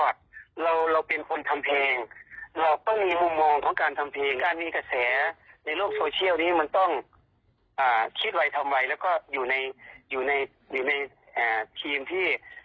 กล้าคิดกล้าตัดทิ้งใจ